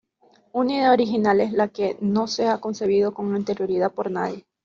Una idea original es la que no se ha concebido con anterioridad por nadie.